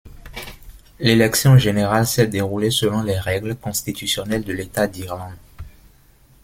L'élection générale s'est déroulée selon les règles constitutionnelles de l'État d'Irlande.